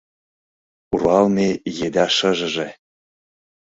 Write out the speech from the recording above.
Руалме еда шыжыже.